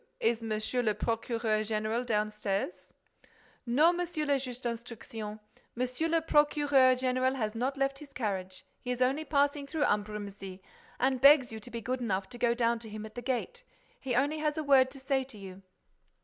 Is Monsieur le Procureur Général downstairs?" "No, Monsieur le Juge d'Instruction. Monsieur le Procureur Général has not left his carriage. He is only passing through Ambrumésy and begs you to be good enough to go down to him at the gate. He only has a word to say to you."